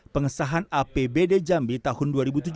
pengesahan apbd jambi tahun dua ribu tujuh belas dua ribu delapan belas